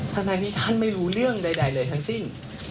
ทนายที่ท่านไม่รู้เรื่องใดเลยทั้งสิ้น